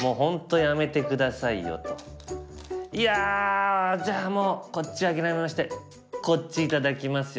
いやじゃあもうこっち諦めましてこっち頂きますよ。